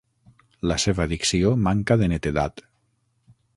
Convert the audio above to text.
La seva dicció manca de netedat.